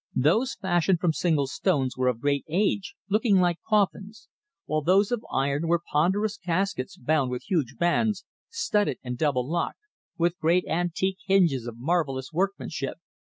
Those fashioned from single stones were of great age, looking like coffins, while those of iron were ponderous caskets bound with huge bands, studded and double locked, with great antique hinges of marvellous workmanship.